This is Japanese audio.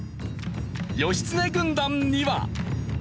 義経軍団には。